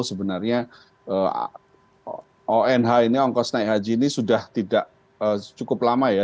sebenarnya onh ini ongkos naik haji ini sudah tidak cukup lama ya